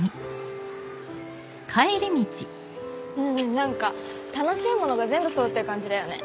何か楽しいものが全部そろってる感じだよね。